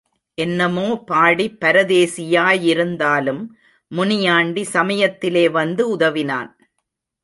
என்னமோ பாடி பரதேசியா யிருந்தாலும் முனியாண்டி சமயத்திலே வந்து உதவினான்.